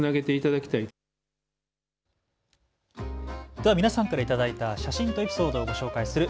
では皆さんから頂いた写真とエピソードを紹介する＃